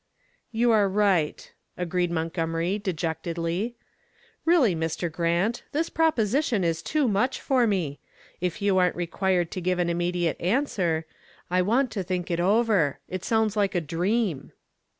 "You are right," agreed Montgomery, dejectedly. "Really, Mr. Grant, this proposition is too much for me. If you aren't required to give an immediate answer, I want to think it over. It sounds like a dream."